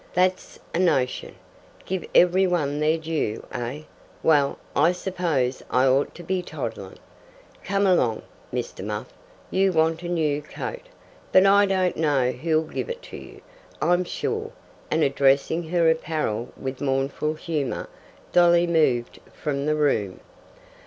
"That's a notion. Give every one their due, eh? Well, I suppose I ought to be toddling. Come along, Mr. Muff you want a new coat, but I don't know who'll give it you, I'm sure;" and addressing her apparel with mournful humour, Dolly moved from the room.